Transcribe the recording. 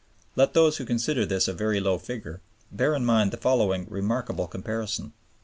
Let those who consider this a very low figure, bear in mind the following remarkable comparison.